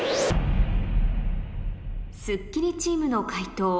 『スッキリ』チームの解答